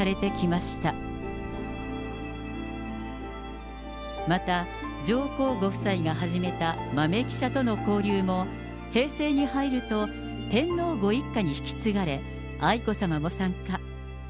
また、上皇ご夫妻が始めた豆記者との交流も、平成に入ると天皇ご一家に引き継がれ、愛子さまも参加。